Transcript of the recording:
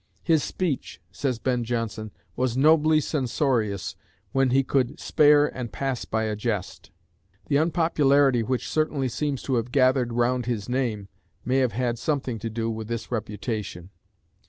"His speech," says Ben Jonson, "was nobly censorious when he could spare and pass by a jest." The unpopularity which certainly seems to have gathered round his name may have had something to do with this reputation.